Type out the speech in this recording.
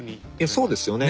そうですね。